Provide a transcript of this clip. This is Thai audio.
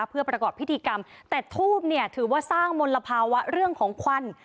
เพื่อประกอบพิธีกรรมแต่ทูบเนี่ยถือว่าสร้างมลภาวะเรื่องของควัน